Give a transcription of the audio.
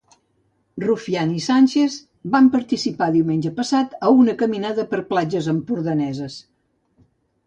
Rufián i Sánchez van participar diumenge passat a una caminada per platges empordaneses.